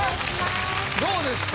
どうですか？